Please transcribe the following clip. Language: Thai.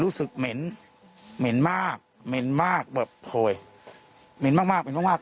เหม็นเหม็นมากเหม็นมากแบบโพยเหม็นมากมากเหม็นมากมาก